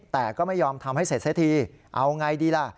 แต่ก็ไม่ยอมทำให้เสร็จซะทีเอาง่ายดีล่ะ